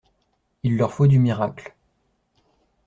Il leur faut du miracle.